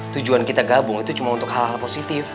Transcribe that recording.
tujuan kita gabung itu cuma untuk hal hal positif